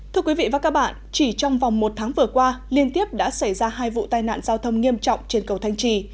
thưa quý vị và các bạn chỉ trong vòng một tháng vừa qua liên tiếp đã xảy ra hai vụ tai nạn giao thông nghiêm trọng trên cầu thanh trì